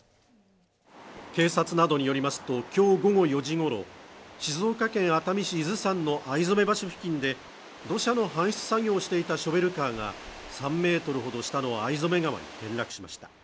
警察などによりますと今日午後４時ごろ静岡県熱海市伊豆山の逢初橋付近で、土砂の搬出作業をしていたショベルカーが３ｍほど下の逢初川に転落しました。